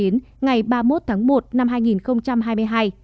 ngày ba mươi một tháng một năm hai nghìn hai mươi hai